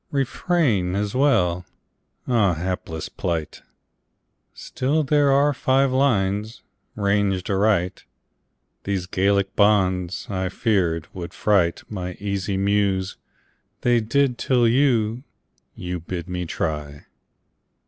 "Refrain" as well. Ah, Hapless plight! Still, there are five lines ranged aright. These Gallic bonds, I feared, would fright My easy Muse. They did, till you You bid me try!